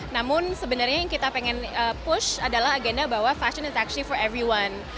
namun sebenarnya yang kita pengen push adalah agenda bahwa fashion is actually for everyone